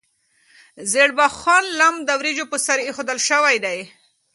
ژیړبخون لم د وریجو په سر ایښودل شوی و.